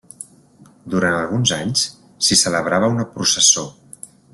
Durant alguns anys s'hi celebrava una processó.